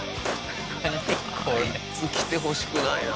こいつ来てほしくないな。